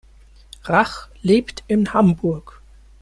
Rach lebt in Hamburg.